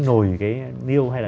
niêu hay là